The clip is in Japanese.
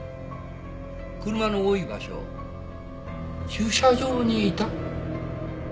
車の多い場所駐車場にいた。